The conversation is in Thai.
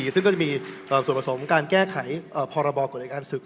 ซึ่งก็จะมีส่วนผสมการแก้ไขพรบกฎในการศึก